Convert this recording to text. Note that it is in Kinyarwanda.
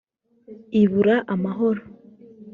ibura amahoro